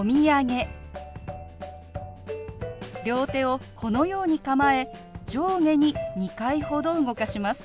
両手をこのように構え上下に２回ほど動かします。